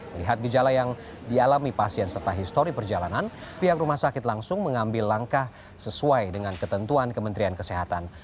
melihat gejala yang dialami pasien serta histori perjalanan pihak rumah sakit langsung mengambil langkah sesuai dengan ketentuan kementerian kesehatan